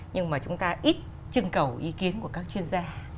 nhưng mà chúng ta ít trưng cầu ý kiến của các chuyên gia